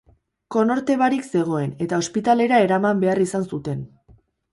Konorte barik zegoen, eta ospitalera eraman behar izan zuten.